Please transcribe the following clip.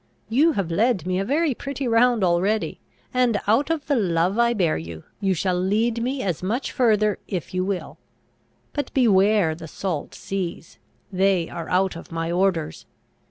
You have led me a very pretty round already; and, out of the love I bear you, you shall lead me as much further, if you will. But beware the salt seas! They are out of my orders.